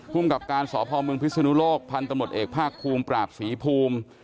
ภูมิกับการสอบภอมเมืองภิษฐนุโลกพันธมตร์เอกภาคคลุมปราบศรีภูมิ